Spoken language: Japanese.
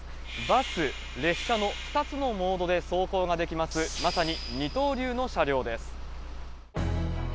バス、列車の２つのモードで走行ができます、まさに二刀流の車両です。